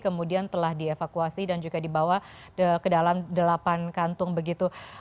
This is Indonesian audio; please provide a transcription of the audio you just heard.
kemudian telah dievakuasi dan juga dibawa ke dalam delapan kantung begitu